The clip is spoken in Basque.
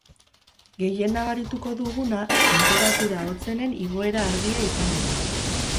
Gehien nabarituko duguna tenperatura hotzenen igoera argia izango da.